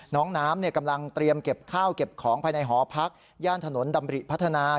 น้องน้ำกำลังเตรียมเก็บข้าวเก็บของภายในหอพักย่านถนนดำริพัฒนา